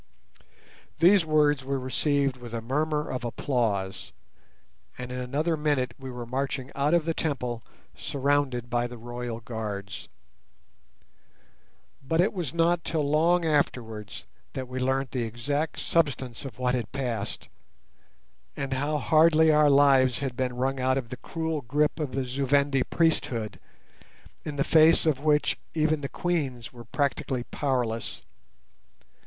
These words were received with a murmur of applause, and in another minute we were marching out of the temple surrounded by the royal guards. But it was not till long afterwards that we learnt the exact substance of what had passed, and how hardly our lives had been wrung out of the cruel grip of the Zu Vendi priesthood, in the face of which even the Queens were practically powerless.